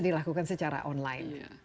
dilakukan secara online